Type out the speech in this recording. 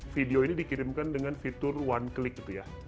video ini dikirimkan dengan fitur one click gitu ya